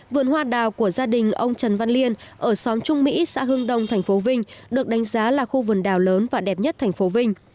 vườn hoa đào của gia đình ông trần văn liên ở xóm trung mỹ xã hương đông tp vinh được đánh giá là khu vườn đào lớn và đẹp nhất tp vinh